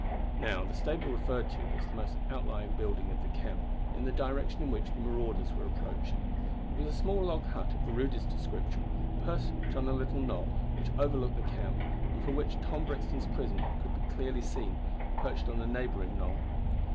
Now, the stable referred to was the most outlying building of the camp, in the direction in which the marauders were approaching. It was a small log hut of the rudest description perched on a little knoll which overlooked the camp, and from which Tom Brixton's prison could be clearly seen, perched on a neighbouring knoll.